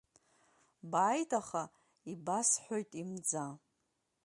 Бааит аха ибасҳәоит имӡа…